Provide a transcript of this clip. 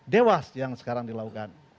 dewas yang sekarang dilakukan